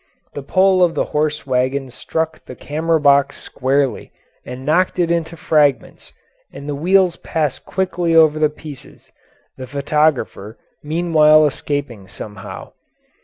The pole of the hose wagon struck the camera box squarely and knocked it into fragments, and the wheels passed quickly over the pieces, the photographer meanwhile escaping somehow.